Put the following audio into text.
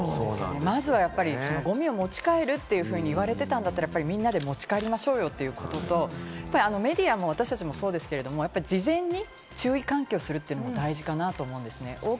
まずはゴミを持ち帰ると言われていたんだったら、みんなで持ち帰りましょうよということと、メディアも事前に注意喚起をするというのも大事かなと思うんですね。